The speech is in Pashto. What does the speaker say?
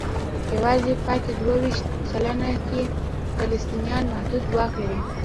یوازې پاتې دوه ویشت سلنه کې فلسطینیان محدود واک لري.